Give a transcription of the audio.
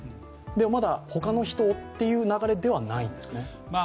でも、まだ他の人という流れではないんですね？